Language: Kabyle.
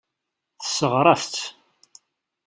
Tessṛeɣ-as-tt.